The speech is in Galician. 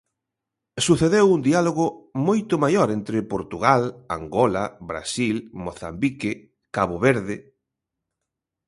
Sucedeu un diálogo moito maior entre Portugal, Angola, Brasil, Mozambique, Cabo Verde.